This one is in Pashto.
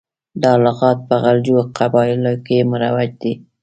دا لغات په غلجو قبایلو کې مروج دی.